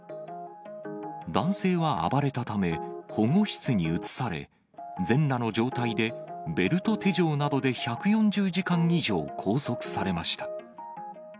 男性は暴れたため、保護室に移され、全裸の状態でベルト手錠などで１４０時間以上、拘束されました。